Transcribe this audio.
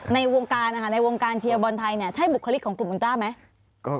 ในวงการเชียร์บอลไทยใช่บุคลิกของกลุ่มอุลต้าไหม